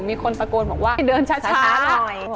มีคนประโกนว่าเดินช้าหน่อย